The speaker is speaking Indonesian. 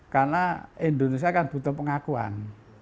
karena indonesia kan butuh pengakuan